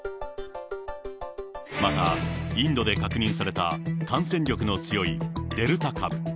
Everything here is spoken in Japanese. また、インドで確認された感染力の強いデルタ株。